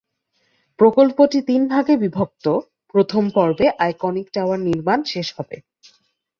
প্রকল্পটি তিন ভাগে বিভক্ত, প্রথম পর্বে আইকনিক টাওয়ার নির্মাণ শেষ হবে।